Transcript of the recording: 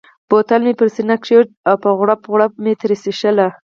بوتل مې پر سینه کښېښود او په غوړپ غوړپ مې ترې څښل.